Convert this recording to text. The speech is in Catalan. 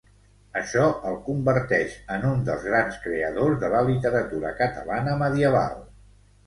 Això el converteix en un dels grans creadors de la literatura catalana medieval.